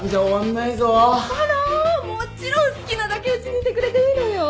あらもちろん好きなだけうちにいてくれていいのよ。